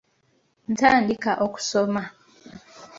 Ntandika okusoma.